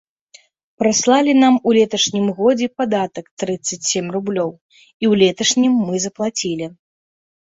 Прыслалі нам у леташнім годзе падатак трыццаць сем рублёў, і ў леташнім мы заплацілі.